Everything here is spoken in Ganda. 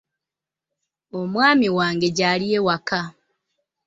Omwami wange gy'ali ewaka.